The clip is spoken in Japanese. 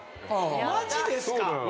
マジですか？